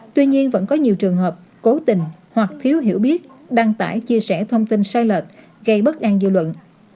tuy nhiên vẫn có nhiều trường hợp cố tình hoặc thiếu hiểu biết đăng tải chia sẻ thông tin sai lệch gây bất an dư luận